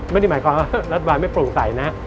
ไม่ได้หมายความว่ารัฐบาลไม่โปร่งใสนะ